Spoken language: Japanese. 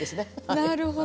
なるほど。